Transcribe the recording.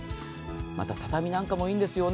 また、畳なんかもいいんですよね。